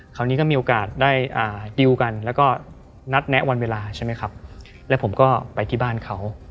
คราวนี้ก็มีโอกาสได้ดิวกันแล้วก็นัดแนะวันเวลาใช่ไหมครับแล้วผมก็ไปที่บ้านเขา